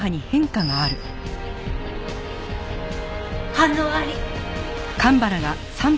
反応あり！